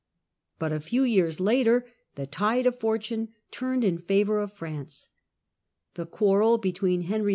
But a few years later the tide of fortune turned in favour of France. The quarrel between Henry II.